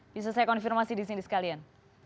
bisa saya konfirmasi di sini sekalian